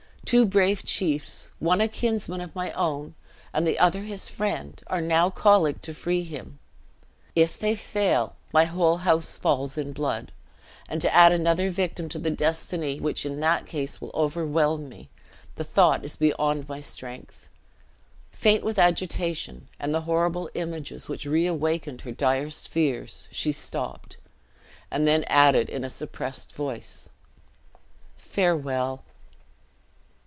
Two brave chiefs, one a kinsman of my own, and the other his friend, are now colleagued to free him. If they fail, my whole house falls in blood! and to add another victim to the destiny which in that case will overwhelm me the thought is beyond my strength." Faint with agitation, and the horrible images which reawakened her direst fears, she stopped; and then added in a suppressed voice, "Farewell!"